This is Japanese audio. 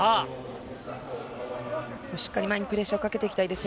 しっかり前にプレッシャーかけていきたいですね。